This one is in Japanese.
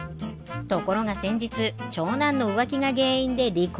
ところが先日長男の浮気が原因で離婚。